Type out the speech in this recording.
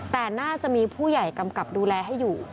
แต่น่าจะมีผู้ใหญ่กำกับดูแลให้อยู่